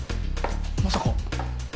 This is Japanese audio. まさか。